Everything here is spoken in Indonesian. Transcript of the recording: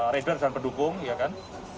rider dan pendukung ya kan